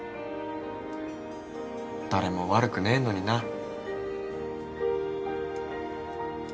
誰も悪くねえのにな。